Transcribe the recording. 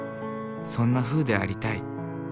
そんなふうでありたい。